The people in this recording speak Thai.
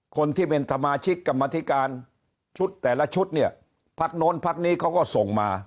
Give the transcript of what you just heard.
คนที่เป็นสมาชิกกรรมธิการชุดแต่ละชุดเนี่ยพักโน้นพักนี้เขาก็ส่งมา